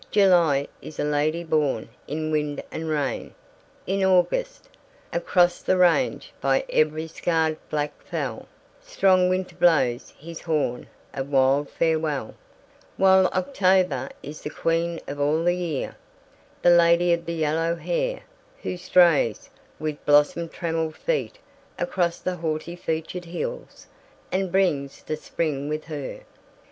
July is a 'lady, born in wind and rain'; in August Across the range, by every scarred black fell, Strong Winter blows his horn of wild farewell; while October is 'the queen of all the year,' the 'lady of the yellow hair,' who strays 'with blossom trammelled feet' across the 'haughty featured hills,' and brings the Spring with her.